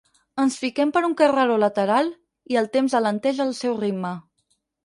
Ens fiquem per un carreró lateral i el temps alenteix el seu ritme.